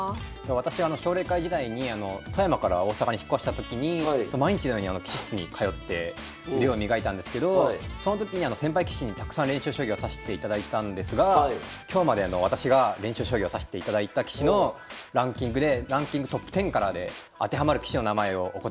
私奨励会時代に富山から大阪に引っ越した時に毎日のように棋士室に通って腕を磨いたんですけどその時に先輩棋士にたくさん練習将棋を指していただいたんですが今日までの私が練習将棋を指していただいた棋士のランキングでランキングトップ１０からでアッハッハッハ！